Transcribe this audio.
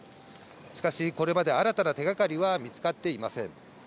しかしこれまで新たな手がかりは見つかっていません。